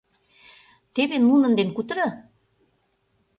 Теве нунын дене кутыро.